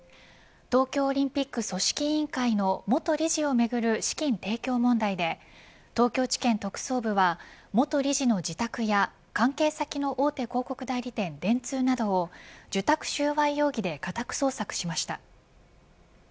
東京オリンピック組織委員会の元理事をめぐる資金提供問題で東京地検特捜部は元理事の自宅や関係先の大手広告代理店電通などを受託収賄容疑で家宅捜索しました。